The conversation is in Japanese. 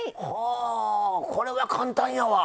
はあこれは簡単やわ。